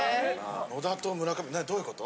野田と村上どういうこと？